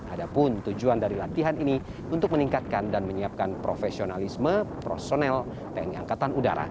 ada pun tujuan dari latihan ini untuk meningkatkan dan menyiapkan profesionalisme personel tni angkatan udara